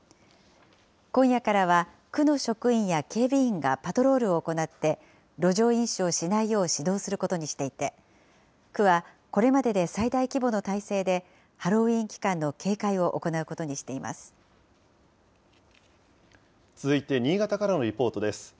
今夜からは、区の職員や警備員がパトロールを行って、路上飲酒をしないよう指導することにしていて、区はこれまでで最大規模の態勢でハロウィーン期間の警戒を行うこ続いて新潟からのリポートです。